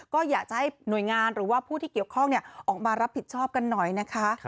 ก็อยากจะให้หน่วยงานหรือว่าผู้ที่เกี่ยวข้องออกมารับผิดชอบกันหน่อยนะคะ